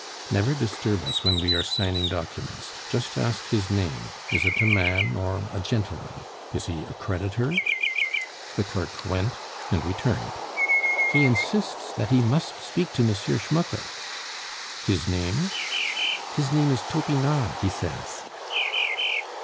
"Never disturb us when we are signing documents. Just ask his name is it a man or a gentleman? Is he a creditor?" The clerk went and returned. "He insists that he must speak to M. Schmucke." "His name?" "His name is Topinard, he says."